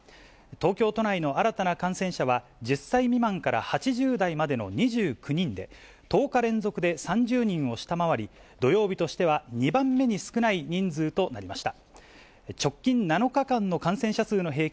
東京都内の新たな感染者は１０歳未満から８０代までの２９人で、１０日連続で３０人を下回り、土曜日としては２番目に少ない人数となりました。